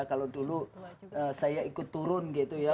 kalau dulu saya ikut turun gitu ya